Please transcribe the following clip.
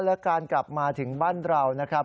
และการกลับมาถึงบ้านเรานะครับ